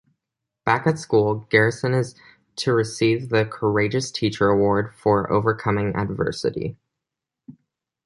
Back at school, Garrison is to receive the "Courageous Teacher Award" for overcoming adversity.